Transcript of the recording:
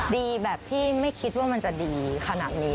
ดีแบบที่ไม่คิดว่ามันจะดีขนาดนี้